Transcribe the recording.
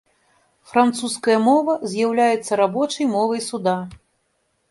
Французская мова з'яўляецца рабочым мовай суда.